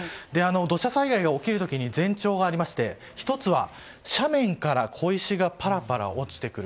土砂災害が起きる時に前兆がありまして１つは、斜面から小石がパラパラ落ちてくる。